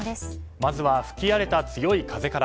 まずは吹き荒れた強い風から。